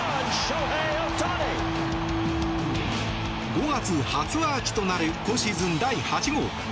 ５月初アーチとなる今シーズン第８号。